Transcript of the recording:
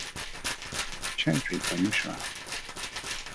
Chaudhry by Musharraf.